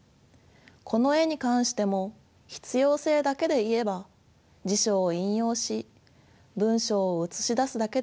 この絵に関しても必要性だけで言えば辞書を引用し文章を映し出すだけで十分でした。